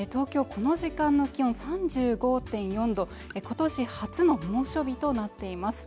この時間の気温３５．４度で今年初の猛暑日となっています